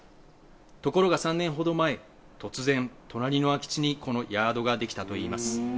ところが３年ほど前、突然、隣の空き地にこのヤードが出来たといいます。